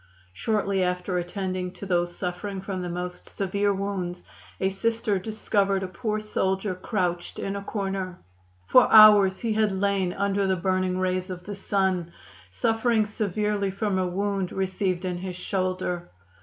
Shortly after attending to those suffering from the most severe wounds, a Sister discovered a poor soldier crouched in a corner. For hours he had lain under the burning rays of the sun, suffering severely from a wound received in his shoulder.